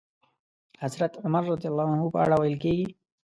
د حضرت عمر رض په اړه ويل کېږي.